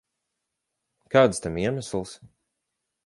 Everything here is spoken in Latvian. Kāds tam iemesls?